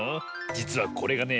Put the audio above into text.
じつはこれがね